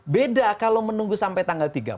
beda kalau menunggu sampai tanggal tiga belas